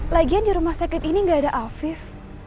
lagian di rumah sakit ini nggak ada afif